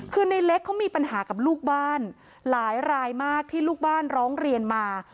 คือในเล็กเขามีปัญหากับลูกบ้านหลายรายมากที่ลูกบ้านร้องเรียนมา